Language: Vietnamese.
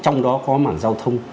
trong đó có mảng giao thông